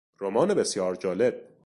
رمان بسیار جالب